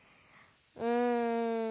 うん。